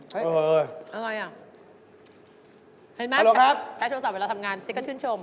เห็นไหมถ้าใช้โทรศัพท์เวลาทำงานเจ๊ก็ชื่นชม